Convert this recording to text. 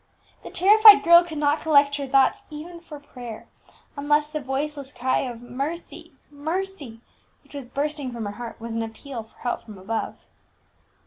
The terrified girl could not collect her thoughts, even for prayer, unless the voiceless cry of "Mercy, mercy!" which was bursting from her heart, was an appeal for help from above.